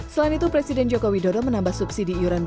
selain itu presiden joko widodo menambah subsidi iuran bp